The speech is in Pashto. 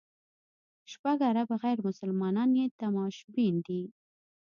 شپږ اربه غیر مسلمان یې تماشبین دي.